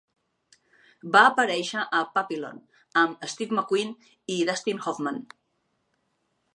Va aparèixer a "Papillon" amb Steve McQueen i Dustin Hoffman.